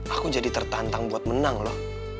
aku jadi tertantang buat menang loh